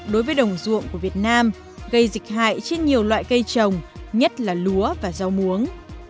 đồng ruộng của việt nam gây dịch hại trên nhiều loại cây trồng nhất là lúa và rau muống